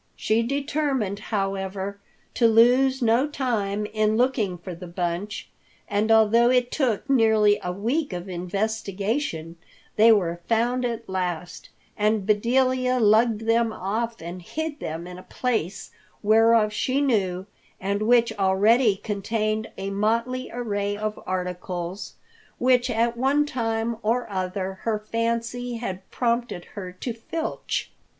She determined, however, to lose no time in looking for the bunch, and although it took nearly a week of investigation, they were found at last, and Bedelia lugged them off and hid them in a place whereof she knew, and which already contained a motley array of articles which at one time or other her fancy had prompted her to filch.